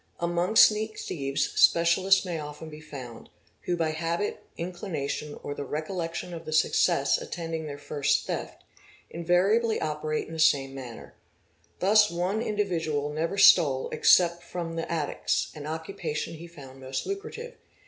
Among sneak thieves specialists may often be found, who by habit, inclination, or the recollection of the success attending their first theft, invariably operate in the same manner. 'Thus one individual never stole except from the attics, an occupation he found most lucrative.